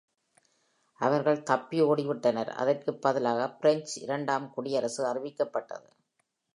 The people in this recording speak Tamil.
அவர்கள் தப்பி ஓடிவிட்டனர், அதற்கு பதிலாக பிரெஞ்சு இரண்டாம் குடியரசு அறிவிக்கப்பட்டது.